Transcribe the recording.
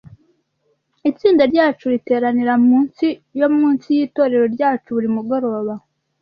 Itsinda ryacu riteranira mu nsi yo munsi yitorero ryacu buri mugoroba.